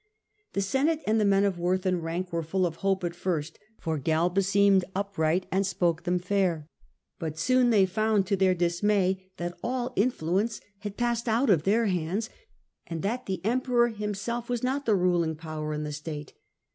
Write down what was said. The Senate and the men of worth and rank were full of hope at first, for Galba Senate, seemed upright and spoke them fair. But soon they found) to their dismay, that all influence had passed out of their hands, and that the Emperor himself was not the ruling power in the state.